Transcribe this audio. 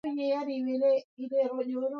Muenge hicho ambacho, cha watu wenye mawenge,